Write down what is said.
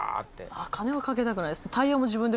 あっ金はかけたくないです。